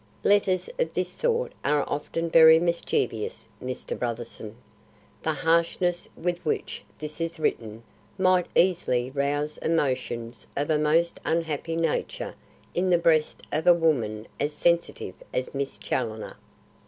"Letters of this sort are often very mischievous, Mr. Brotherson. The harshness with which this is written might easily rouse emotions of a most unhappy nature in the breast of a woman as sensitive as Miss Challoner."